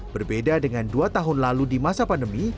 berbeda dengan dua tahun lalu di masa pandemi